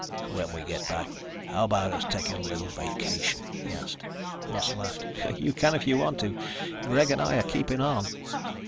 "When we get back, how about us taking a little vacation?" he asked. Russ laughed. "You can if you want to. Greg and I are keeping on."